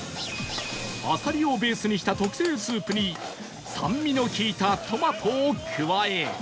あさりをベースにした特製スープに酸味の利いたトマトを加え